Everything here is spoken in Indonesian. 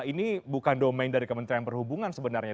ini bukan domain dari kementerian perhubungan sebenarnya